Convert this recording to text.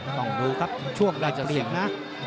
ต้องดูครับช่วงราชเหลี่ยมนะ